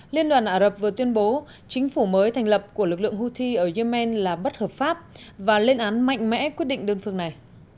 liên đoàn ả rập vừa tuyên bố chính phủ mới thành lập của lực lượng houthi ở yemen là bất hợp pháp và lên án mạnh mẽ quyết định đơn phương này